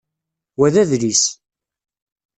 Wa d adlis.